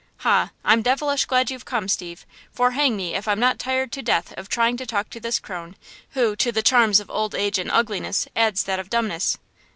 "Ha! I'm devilish glad you've come, Steve, for hang me if I'm not tired to death trying to talk to this crone, who, to the charms of old age and ugliness, adds that of dumbness.